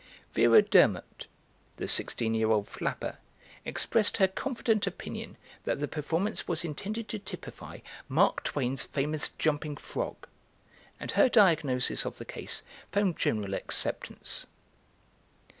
Vera Durmot, the sixteen year old flapper, expressed her confident opinion that the performance was intended to typify Mark Twain's famous jumping frog, and her diagnosis of the case found general acceptance.